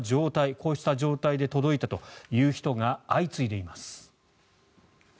こうした状態で届いたという人が相次いでいます。